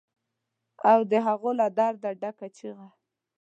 او د هغو له درده ډکه چیغه